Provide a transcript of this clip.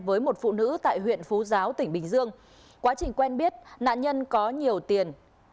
với một phụ nữ tại huyện phú giáo tỉnh bình dương quá trình quen biết nạn nhân có nhiều tiền